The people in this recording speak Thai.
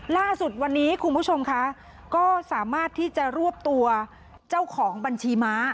ล่าสุดวันนี้คุณผู้ชมคะก็สามารถที่จะรวบตัวเจ้าของบัญชีม้า